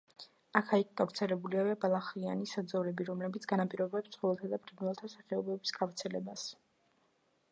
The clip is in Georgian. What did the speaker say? აქა-იქ გავრცელებულია ბალახიანი საძოვრები, რომლებიც განაპირობებს ცხოველთა და ფრინველთა სახეობების გავრცელებას.